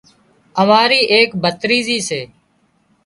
اماري ايڪ ڀتريزِي سي